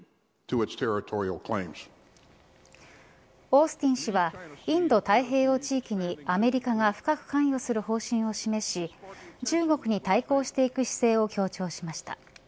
オースティン氏はインド太平洋地域にアメリカが深く関与する方針を示し中国に対抗していく姿勢を強調しました。